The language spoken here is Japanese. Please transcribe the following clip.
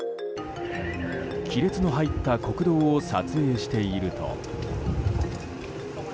亀裂の入った国道を撮影していると。